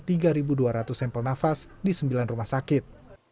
di sini sekitar dua ratus sampel nafas di sembilan rumah sakit